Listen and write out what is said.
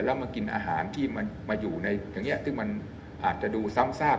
แล้วมากินอาหารที่มันมาอยู่ในอย่างนี้ซึ่งมันอาจจะดูซ้ำซาก